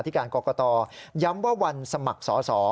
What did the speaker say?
การกรกตย้ำว่าวันสมัครสอสอ